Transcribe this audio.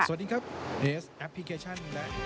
สวัสดีครับ